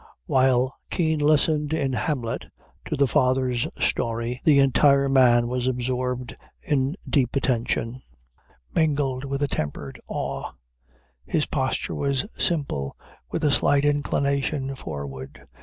While Kean listened, in Hamlet, to the father's story, the entire man was absorbed in deep attention, mingled with a tempered awe. His posture was simple, with a slight inclination forward.